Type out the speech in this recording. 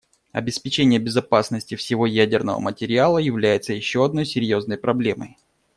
Обеспечение безопасности всего ядерного материала является еще одной серьезной проблемой.